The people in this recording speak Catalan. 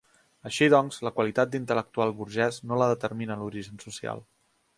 Així doncs, la qualitat d'intel·lectual burgès no la determina l'origen social.